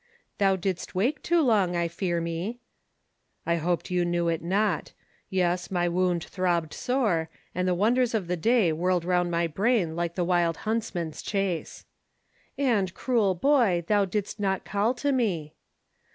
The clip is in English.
"Thou didst wake too long, I fear me." "I hoped you knew it not. Yes, my wound throbbed sore, and the wonders of the day whirled round my brain like the wild huntsman's chase." "And, cruel boy, thou didst not call to me."